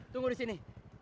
tunggu di sini